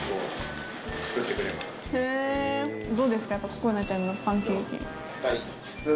ここなちゃんのパンケーキ。